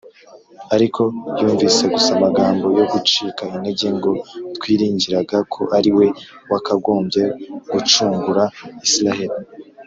ariko yumvise gusa amagambo yo gucika intege ngo, “twiringiraga ko ari we wakagombye gucungura isiraheri